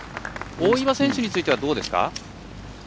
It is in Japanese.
大岩選手についてはどうですか？